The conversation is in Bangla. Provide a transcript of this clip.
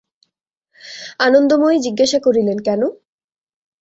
আনন্দময়ী জিজ্ঞাসা করিলেন, কেন?